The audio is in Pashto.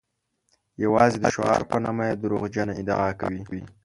یوازې د شعار په نامه یې دروغجنه ادعا کوي.